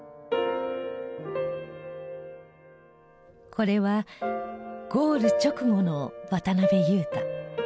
これはゴール直後の渡邊雄太。